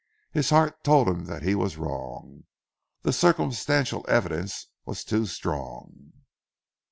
His heart told him that he was wrong. The circumstantial evidence was too strong.